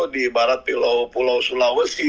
di barat pulau sulawesi